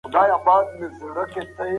هغه علم چي ګټور وي زده یې کړه.